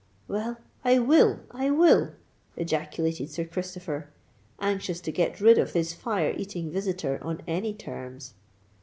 "Well—I will, I will!" ejaculated Sir Christopher, anxious to get rid of his fire eating visitor on any terms.